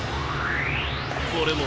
これも。